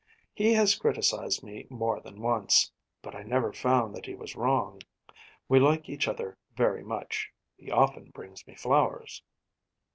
He has criticized me more than once; but I never found that he was wrong. We like each other very much. He often brings me flowers.